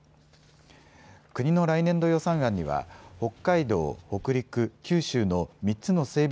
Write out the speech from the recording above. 国の来年度予算案には北海道、北陸、九州の３つの整備